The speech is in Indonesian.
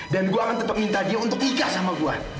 dan gue akan tetep minta dia untuk nikah sama gue